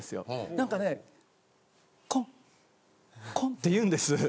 なんかねコンコンっていうんです。